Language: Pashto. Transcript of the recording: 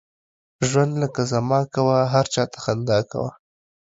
ژوند لکه زما کوه، هر چاته خندا کوه.